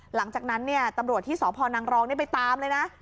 หลังจากนั้นเนี่ยตำรวจที่สพนังรองไปตามเลยนะ